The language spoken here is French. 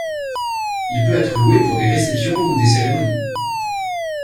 Il peut être loué pour des réceptions ou des cérémonies.